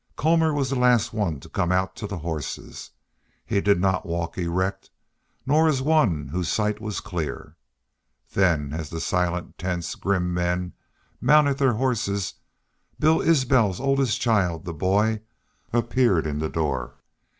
Colmor was the last one to come out to the horses. He did not walk erect, nor as one whose sight was clear. Then, as the silent, tense, grim men mounted their horses, Bill Isbel's eldest child, the boy, appeared in the door.